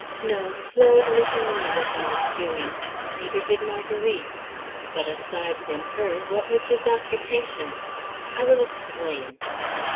No; Claude little knew what he was doing. Neither did Marguerite. But, aside from her, what was his occupation? I will explain.